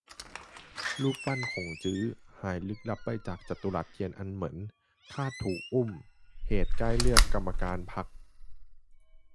รูปปั้นขงจื้อ หายลึกลับไปจากจตุรัสเทียนอันเหมิน คาดถูก "อุ้ม" เหตุใกล้เลือกกรรมการพรรค